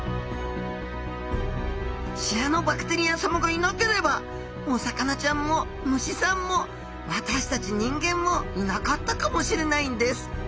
シアノバクテリアさまがいなければお魚ちゃんも虫さんも私たち人間もいなかったかもしれないんです。